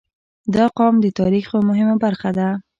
• دا قوم د تاریخ یوه مهمه برخه ده.